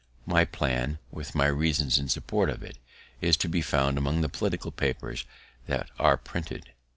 My plan, with my reasons in support of it, is to be found among my political papers that are printed.